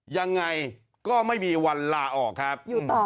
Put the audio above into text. ยังไงก็ไม่มีวันลาออกครับ